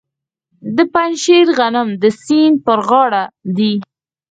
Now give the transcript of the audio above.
د پنجشیر غنم د سیند په غاړه دي.